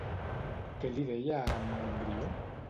Què li deia a en Montbrió?